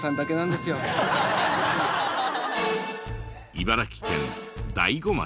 茨城県大子町。